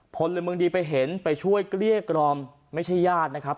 พลเมืองดีไปเห็นไปช่วยเกลี้ยกล่อมไม่ใช่ญาตินะครับ